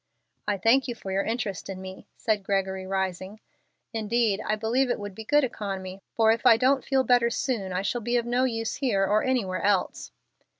"I thank you for your interest in me," said Gregory, rising. "Indeed, I believe it would be good economy, for if I don't feel better soon I shall be of no use here or anywhere else."